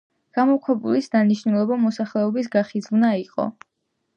გამოქვაბულის დანიშნულება მოსახლეობის გახიზვნა იყო.